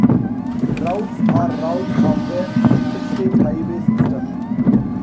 Routes or routes of the Interstate highway system.